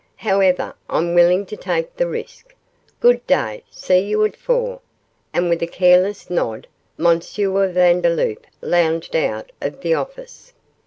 However, I'm willing to take the risk. Good day! See you at four,' and with a careless nod, M. Vandeloup lounged out of the office.